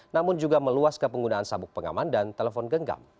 namun juga meluas ke penggunaan sabuk pengaman dan telepon genggam